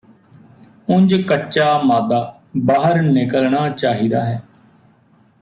ਉਂਜ ਕੱਚਾ ਮਾਦਾ ਬਾਹਰ ਨਿਕਲਣਾ ਚਾਹੀਦਾ ਹੈ